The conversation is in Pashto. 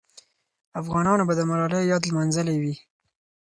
افغانانو به د ملالۍ یاد لمانځلی وي.